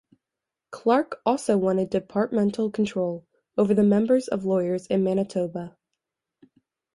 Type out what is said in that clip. Clarke also wanted departmental control over the number of lawyers in Manitoba.